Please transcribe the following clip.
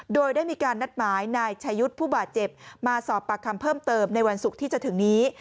โดยได้มีการนัดหมายนายชายุทธ์ผู้บาดเจ็บมาสอบปากคำเพิ่มเติมในวันศุกร์ที่จะถึงนี้